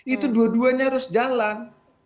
itu dua duanya harus jalan